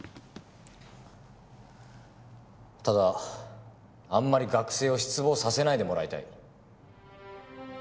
ただあんまり学生を失望させないでもらいたい。